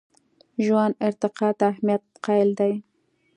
ژوند ارتقا ته اهمیت قایل دی.